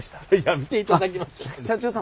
見ていただけますか。